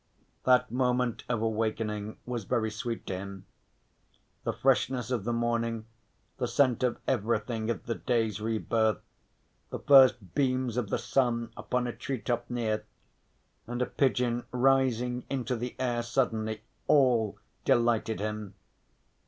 That moment of awakening was very sweet to him. The freshness of the morning, the scent of everything at the day's rebirth, the first beams of the sun upon a tree top near, and a pigeon rising into the air suddenly, all delighted him.